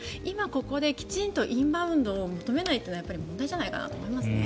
ここでインバウンドを求めないというのは問題なんじゃないかなと思いますね。